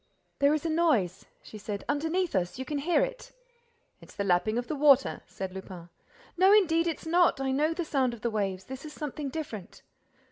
"There is a noise," she said. "Underneath us.—You can hear it." "It's the lapping of the water," said Lupin. "No, indeed it's not. I know the sound of the waves. This is something different."